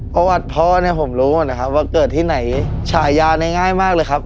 ประวัติพ่อผมรู้ว่าเกิดที่ไหนฉายาง่ายมากเลยครับ